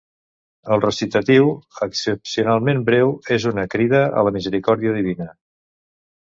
El recitatiu, excepcionalment breu, és una crida a la misericòrdia divina.